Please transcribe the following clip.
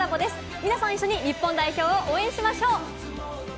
皆さん一緒に日本代表を応援しましょう！